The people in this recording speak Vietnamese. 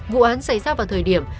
vụ án xảy ra vào thời điểm